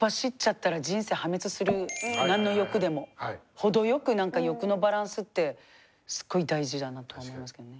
ほどよくなんか欲のバランスってすごい大事だなと思いましたけどね。